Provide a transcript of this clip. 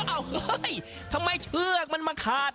เฮ้ยทำไมเชือกมันมาขาด